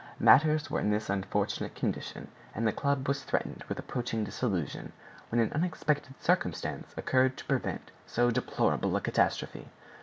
Matters were in this unfortunate condition, and the club was threatened with approaching dissolution, when an unexpected circumstance occurred to prevent so deplorable a catastrophe.